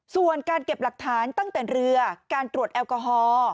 ส่วนการเก็บหลักฐานตั้งแต่เรือการตรวจแอลกอฮอล์